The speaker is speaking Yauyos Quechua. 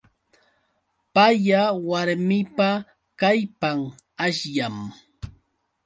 Paya warmipa kallpan ashllam.